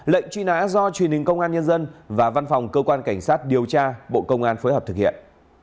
lệnh truy nã do truyền hình công an nhân dân và văn phòng cơ quan cảnh sát điều tra bộ công an phối hợp thực hiện